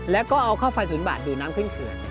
และก็เอาข้าวไฟศูนย์บ่านดูดน้ำขึ้นเฉิน